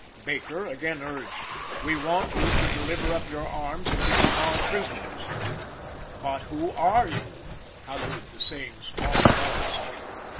Baker again urged: "We want you to deliver up your arms and become our prisoners." "But who are you?" hallooed the same strong voice.